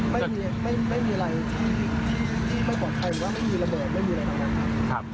ไม่มีไม่มีอะไรที่ไม่ปลอดภัยหรือว่าไม่มีระเบิดไม่มีอะไรทั้งนั้น